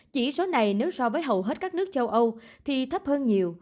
chỉ số này nếu so với hầu hết các nước châu âu thì thấp hơn nhiều